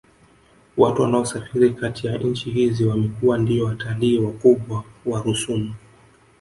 Watu wanaosafiri Kati ya nchi hizi wamekuwa ndiyo watalii wakubwa wa rusumo